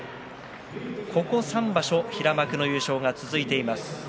ここ３場所、平幕の優勝が続いています。。